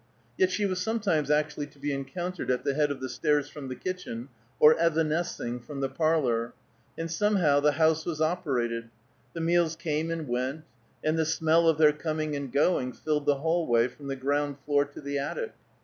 Yet she was sometimes actually to be encountered at the head of the stairs from the kitchen, or evanescing from the parlor; and somehow the house was operated; the meals came and went, and the smell of their coming and going filled the hall way from the ground floor to the attic.